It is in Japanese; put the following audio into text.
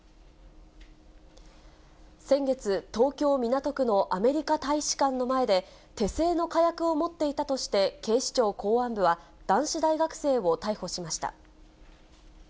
先月、東京・港区のアメリカ大使館の前で、手製の火薬を持っていたとして、警視庁公安部は男子大学生を逮捕しました。